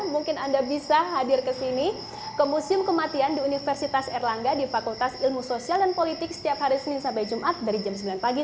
mungkin anda bisa hadir ke sini ke museum kematian di universitas erlangga di fakultas ilmu sosial dan politik setiap hari senin sampai jumat dari jam sembilan pagi